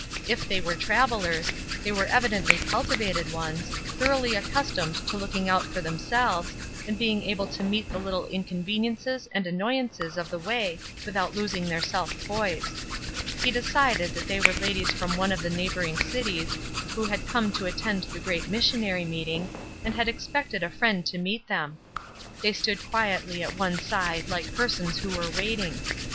If they were travellers, they were evidently cultivated ones, thoroughly accustomed to looking out for themselves, and being able to meet the little inconveniences and annoyances of the way without losing their self poise. He decided that they were ladies from one of the neighboring cities who had come to attend the great missionary meeting, and had expected a friend to meet them; they stood quietly at one side like persons who were waiting.